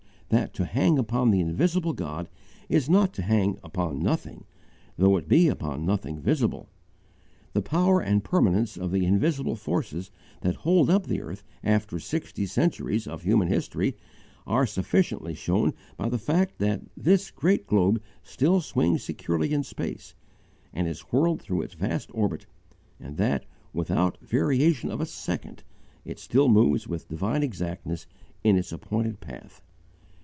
that to hang upon the invisible God is not to hang "upon nothing," though it be upon nothing visible. The power and permanence of the invisible forces that hold up the earth after sixty centuries of human history are sufficiently shown by the fact that this great globe still swings securely in space and is whirled through its vast orbit, and that, without variation of a second, it still moves with divine exactness in its appointed path.